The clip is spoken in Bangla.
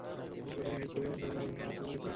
অতঃপর, তিনি ফেসবুকের মাধ্যমে রানার সাথে যোগাযোগ করেন।